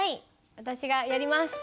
私がやります！